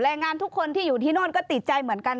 งานทุกคนที่อยู่ที่โน่นก็ติดใจเหมือนกัน